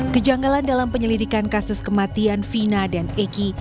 kejanggalan dalam penyelidikan kasus kematian fina dan egy